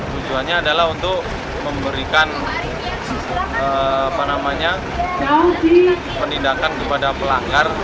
tujuannya adalah untuk memberikan penindakan kepada pelanggar